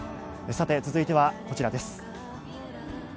続いてはこちらです。